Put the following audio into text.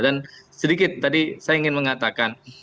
dan sedikit tadi saya ingin mengatakan